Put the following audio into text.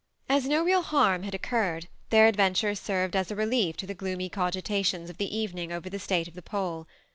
* As no real harm had occurred, their adventures served as a relief to the gloomy cogitations of the evening over the state of the poll.